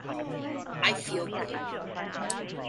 I Feel Good!